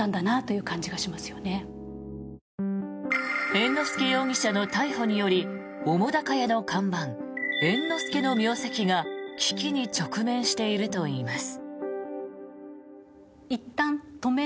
猿之助容疑者の逮捕により澤瀉屋の看板、猿之助の名跡が危機に直面しているといいます。